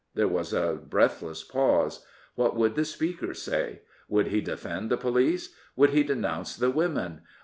There was a breathless pause. What would the Speaker say? Would he defend the police? Would he denounce the women